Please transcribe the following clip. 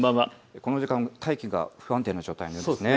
この時間、大気が不安定な状態ですね。